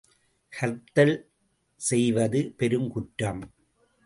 ஹர்த்தால் செய்வது பெருங்குற்றம்.